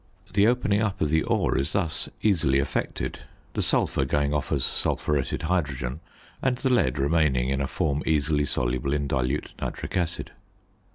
The opening up of the ore is thus easily effected, the sulphur going off as sulphuretted hydrogen, and the lead remaining in a form easily soluble in dilute nitric acid.